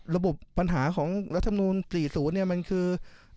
ระบบปัญหาของรัฐบาหารมูล๔ศูนย์เนี่ยมันคือ